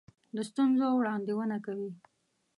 د ستونزو وړاندوینه کوي.